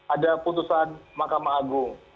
ada putusan makam agung